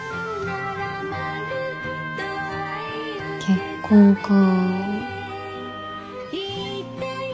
結婚か。